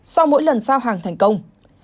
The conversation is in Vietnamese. sau mỗi lần giao hàng thành công